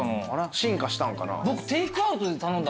進化したんかな？